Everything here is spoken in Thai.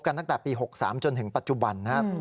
ตั้งแต่ปี๖๓จนถึงปัจจุบันนะครับ